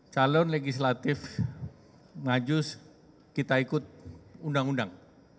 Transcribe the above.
calon legislatif maju kita ikut undang undang